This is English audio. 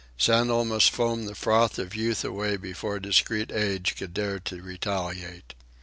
Sandel must foam the froth of Youth away before discreet Age could dare to retaliate.